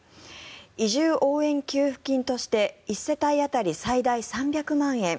移住応援給付金として１世帯当たり最大３００万円